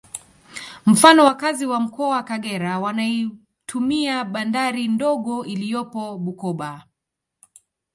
Mfano wakazi wa Mkoa Kagera wanaitumia bandari ndogo iliyopo Bukoba